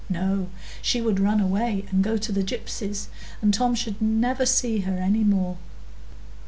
No! she would run away and go to the gypsies, and Tom should never see her any more.